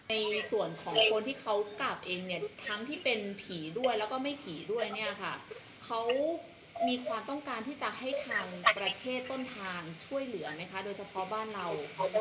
ในส่วนของคนที่เขากลับเองเนี่ยทั้งที่เป็นผีด้วยแล้วก็ไม่ผีด้วยเนี่ยค่ะเขามีความต้องการที่จะให้ทางประเทศต้นทางช่วยเหลือไหมคะโดยเฉพาะบ้านเรา